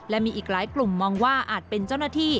และมีอีกหลายกลุ่มมองว่าอาจเป็นเจ้าหน้าที่